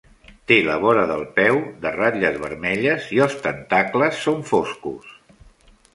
Té la vora del peu de ratlles vermelles i els tentacles són foscos.